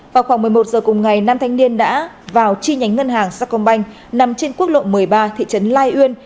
vào khoảng một mươi một giờ cùng ngày nam thành điên đã vào chi nhánh ngân hàng sắc công banh nằm trên quốc lộ một mươi ba thị trấn lai uyên